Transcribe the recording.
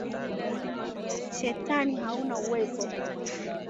Shetani hauna uwezo.